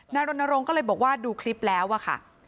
รณรงค์ก็เลยบอกว่าดูคลิปแล้วอะค่ะ